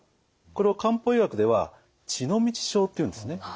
これを漢方医学では血の道症っていうんですね。